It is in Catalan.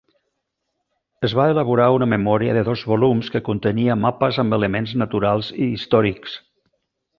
Es va elaborar una memòria de dos volums que contenia mapes amb elements naturals i històrics.